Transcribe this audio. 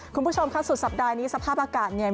คุณผู้ชมค่ะสุดสัปดาห์นี้สภาพอากาศเนี่ย